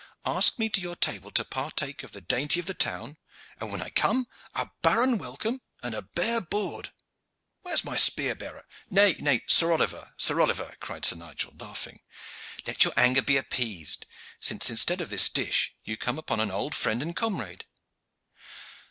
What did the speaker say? Ask me to your table to partake of the dainty of the town, and when I come a barren welcome and a bare board! Where is my spear bearer?" "Nay, Sir Oliver, Sir Oliver!" cried Sir Nigel, laughing. "Let your anger be appeased, since instead of this dish you come upon an old friend and comrade."